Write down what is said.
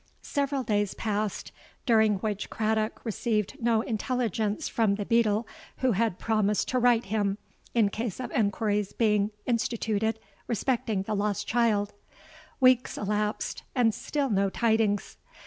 "Several days passed, during which Craddock received no intelligence from the beadle who had promised to write to him in case of enquiries being instituted respecting the lost child:—weeks elapsed—and still no tidings!